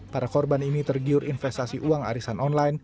para korban ini tergiur investasi uang arisan online